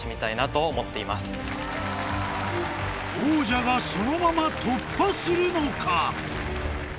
王者がそのまま突破するのか？